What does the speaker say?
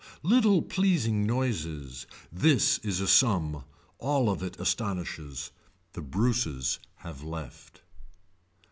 Little pleasing noises, This is a sum. All of it astonishes. The Bruces have left.